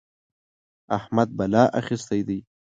احمد بلا اخيستی دی.